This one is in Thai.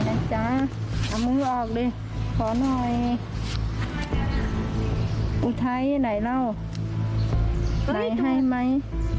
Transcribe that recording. ไหนให้ไหม